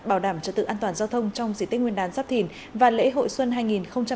bảo đảm trợ tự an toàn giao thông trong dị tích nguyên đán giáp thìn và lễ hội xuân hai nghìn hai mươi bốn